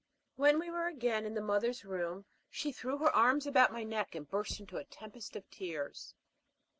When we were again in the Mother's Room she threw her arms about my neck and burst into a tempest of tears.